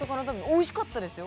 おいしかったですよ